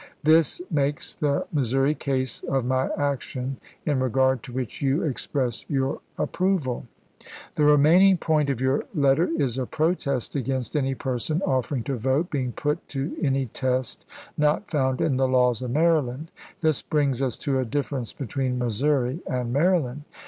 This makes the Mis souri case, of my action in regard to which you express your approval. The remaining point of your letter is a protest against any person, offering to vote, being put to any test not found in the laws of Maryland. This brings us to a difference between Missouri and Maryland.